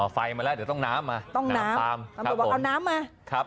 อ๋อไฟมาแล้วเดี๋ยวต้องน้ำมา